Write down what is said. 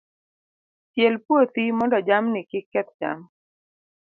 Chiel puothi mondo jamni kik keth cham.